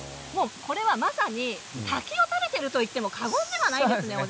これは、まさに滝を食べているといっても過言ではないですね。